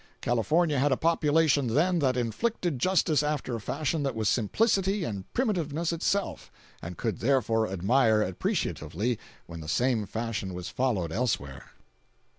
California had a population then that "inflicted" justice after a fashion that was simplicity and primitiveness itself, and could therefore admire appreciatively when the same fashion was followed elsewhere.